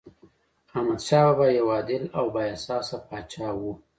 احمدشاه بابا یو عادل او بااحساسه پاچا و.